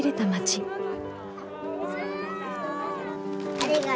ありがとう。